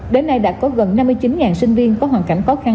đến nay đã có gần năm mươi chín sinh viên có hoàn cảnh khó khăn